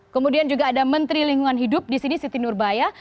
kemudian juga ada menteri lingkungan hidup di sini siti nurbaya